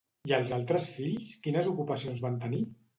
I els altres fills quines ocupacions van tenir?